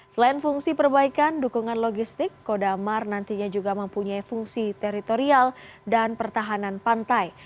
selain fungsi perbaikan dukungan logistik kodamar nantinya juga mempunyai fungsi teritorial dan pertahanan pantai